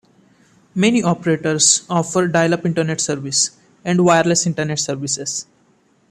Many operators offer dial-up internet service, and wireless internet services.